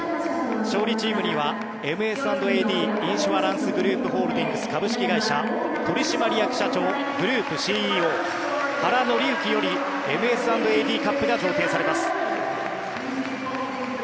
勝利チームにはＭＳ＆ＡＤインシュアランスグループホールディングス株式会社取締役社長、グループＣＥＯ原典之よりＭＳ＆ＡＤカップが贈呈されます。